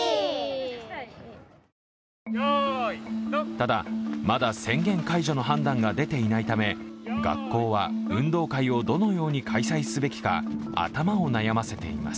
ただ、まだ宣言解除の判断が出ていないため学校は、運動会をどのように開催すべきか頭を悩ませています。